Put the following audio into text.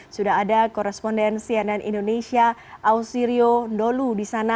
sudah ada korespondensi yang dan indonesia ausi rio ndolu di sana